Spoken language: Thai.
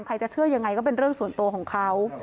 จะเชื่อยังไงก็เป็นเรื่องส่วนตัวของเขา